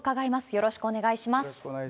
よろしくお願いします。